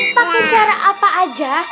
pakai cara apa aja